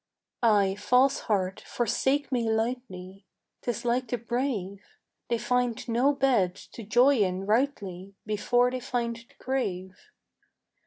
"Ay, false heart, forsake me lightly: 'Tis like the brave. They find no bed to joy in rightly Before they find the grave.